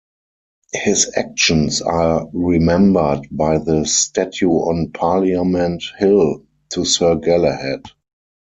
His actions are remembered by the statue on Parliament Hill to Sir Galahad.